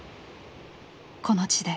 この地で。